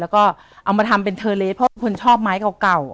แล้วก็เอามาทำเป็นเทอร์เลสเพราะเป็นคนชอบไม้เก่า